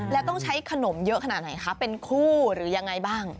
แล้วต้องใช้ขนมเยอะขนาดไหนคะเป็นคู่หรือยังไงบ้าง